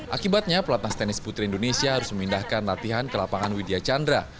akibatnya pelatnas tenis putri indonesia harus memindahkan latihan ke lapangan widya chandra